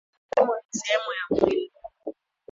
Pua na mdomo ni sehemu ya mwili.